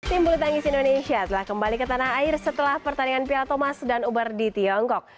tim bulu tangis indonesia telah kembali ke tanah air setelah pertandingan piala thomas dan uber di tiongkok